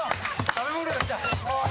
食べ物がきた。